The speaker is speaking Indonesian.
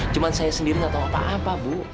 cuman saya sendiri gak tau apa apa bu